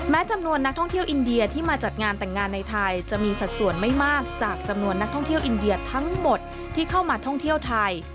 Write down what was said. จำนวนนักท่องเที่ยวอินเดียที่มาจัดงานแต่งงานในไทยจะมีสัดส่วนไม่มากจากจำนวนนักท่องเที่ยวอินเดียทั้งหมดที่เข้ามาท่องเที่ยวไทย